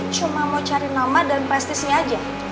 cuma mau cari nama dan prestisnya aja